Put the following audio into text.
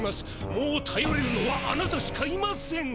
もうたよれるのはあなたしかいません！